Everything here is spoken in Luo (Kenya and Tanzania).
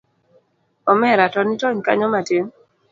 omera to nitony kanyo matin.